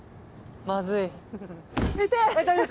まずい。